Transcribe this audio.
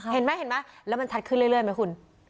เห็นไหมแล้วมันชัดขึ้นเรื่อยไหมคุณ